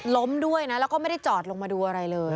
ล้มด้วยนะแล้วก็ไม่ได้จอดลงมาดูอะไรเลย